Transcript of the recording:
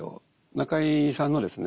中井さんのですね